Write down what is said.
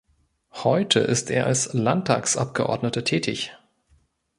Heute ist er als Landtagsabgeordneter tätig.